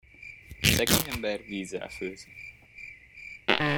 Szegény ember vízzel főz.